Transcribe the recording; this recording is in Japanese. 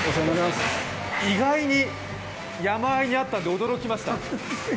意外に山あいにあったんで、驚きました。